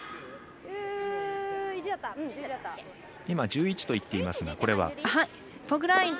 今１１と言っていましたが。